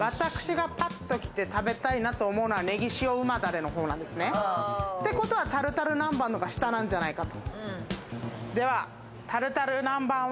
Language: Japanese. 私が食べたいなと思うのは、ねぎ塩旨だれのほうなんですね。っていうことはタルタル南蛮のほうが下なんじゃないかと。